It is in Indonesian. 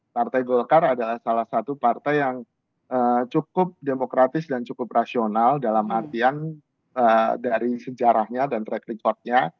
partai golkar adalah salah satu partai yang cukup demokratis dan cukup rasional dalam artian dari sejarahnya dan track recordnya